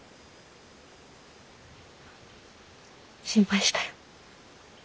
心配したよ。